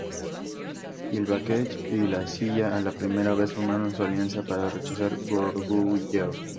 Y Baekje y Silla a la primera vez formaron su alianza para rechazar Goguryeo.